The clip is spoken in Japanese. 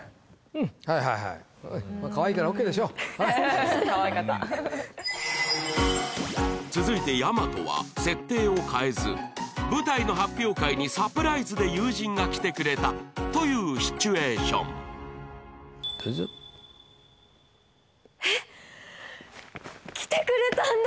はいはいはいまっかわいいからＯＫでしょうかわいかった続いて大和は設定を変えず舞台の発表会にサプライズで友人が来てくれたというシチュエーションどうぞえっ来てくれたんだ！